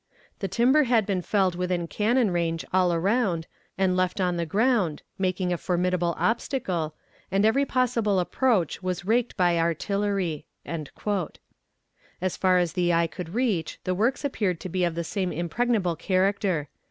The timber had been felled within cannon range all around and left on the ground, making a formidable obstacle, and every possible approach was raked by artillery." As far as the eye could reach, the works appeared to be of the same impregnable character.